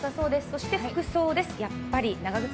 そして服装です。